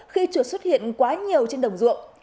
khi chuột xuất hiện quá nhiều trên đồng ruộng